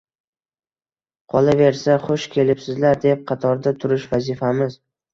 Qolaversa, xush kelibsizlar, deb qatorda turish vazifamiz